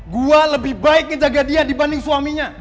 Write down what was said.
gue lebih baik menjaga dia dibanding suaminya